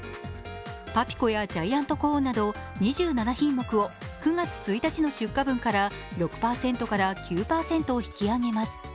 パピコやジャイアントコーンなど２７品目を９月１日の出荷分から６％から９％を引き上げます。